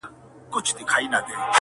• زه د ملي بیرغ په رپ ـ رپ کي اروا نڅوم.